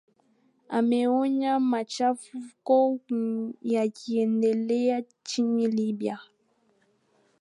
ameonya machafuko yakiendelea nchini libya